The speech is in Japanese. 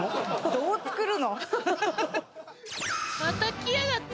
どう作るの？